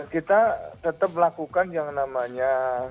kita tetap melakukan yang namanya